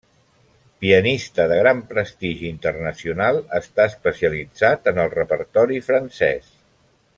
Pianista de gran prestigi internacional, està especialitzat en el repertori francès.